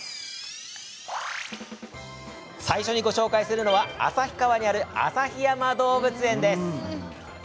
最初に、ご紹介するのは旭川にある旭山動物園。